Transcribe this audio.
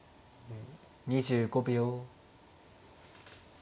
２５秒。